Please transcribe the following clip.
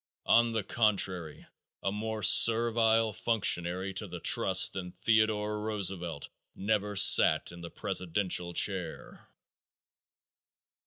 On the contrary, a more servile functionary to the trusts than Theodore Roosevelt never sat in the presidential chair.